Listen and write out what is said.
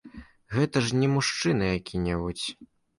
Гэта ж не мужчына які-небудзь.